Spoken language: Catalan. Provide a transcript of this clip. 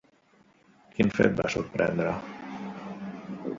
Quin fet va sorprendre?